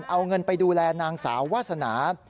เอาเงินไปดูแลนางสาววาสนา